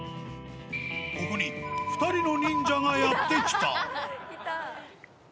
ここに２人の忍者がやって来た。